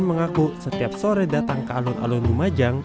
mengaku setiap sore datang ke alun alun lumajang